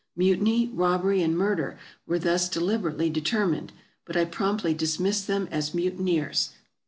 Mutiny, robbery, and murder were thus deliberately determined, but I promptly dismissed them as mutineers.